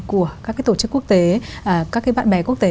của các tổ chức quốc tế các bạn bè quốc tế